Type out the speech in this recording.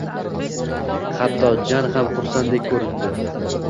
Hatto Jan ham xursanddek ko`rindi